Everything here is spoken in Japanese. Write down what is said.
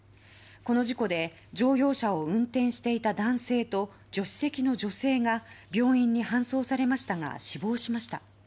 この事故で乗用車を運転していた男性と助手席の女性が病院に搬送されましたが死亡しました。